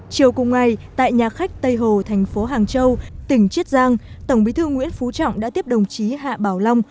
chiều cùng ngày tại nhà khách tây hồ thành phố hàng châu tỉnh chiết giang tổng bí thư nguyễn phú trọng đã tiếp đồng chí hạ bảo long